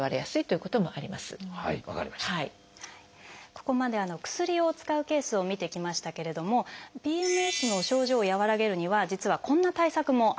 ここまで薬を使うケースを見てきましたけれどもＰＭＳの症状を和らげるには実はこんな対策もあるんです。